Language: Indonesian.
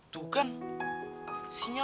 ketika kamu tidak mau berbual